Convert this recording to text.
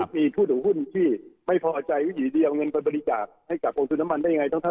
มีผู้ถูกหุ้นที่ไม่พอใจว่าอยู่เดียวเงินไปบริกาศให้กระโกงสูตรน้ำมันได้ยังไง